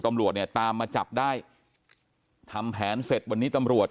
ตำรวจเนี่ยตามมาจับได้ทำแผนเสร็จวันนี้ตำรวจ